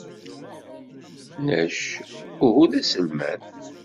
Nec uhu d aselmad.